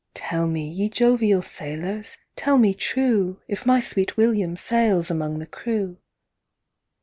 Tell me, ye jovial sailors, tell me trueIf my sweet William sails among the crew.